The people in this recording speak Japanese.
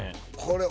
これ